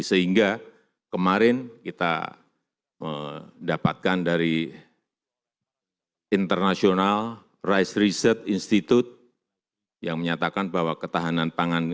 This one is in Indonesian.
sehingga kemarin kita mendapatkan dari international rice research institute yang menyatakan bahwa ketahanan pangan